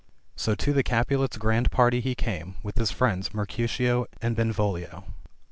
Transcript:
So to the Capulets' grand party he came, with his friends Mercutio and Benvolio.